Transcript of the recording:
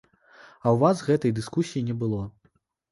А ў вас гэтай дыскусіі не было.